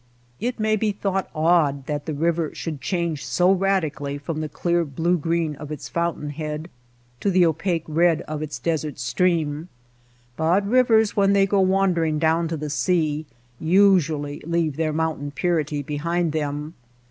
It may be thought odd that the river should change so radically from the clear blue green of its fountain head to the opaque red of its desert stream, but rivers when they go wander ing down to the sea usually leave their moun tain purity behind them.